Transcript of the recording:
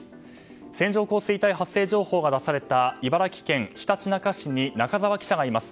線状降水帯発生情報が出された茨城県ひたちなか市に中澤記者がいます。